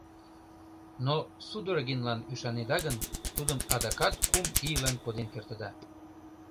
Но Судорогинлан ӱшанеда гын, тудым адакат кум ийлан коден кертыда.